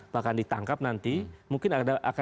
bahkan ditangkap nanti mungkin akan ada penangkapan lainnya